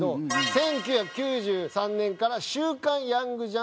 １９９３年から『週刊ヤングジャンプ』にて連載。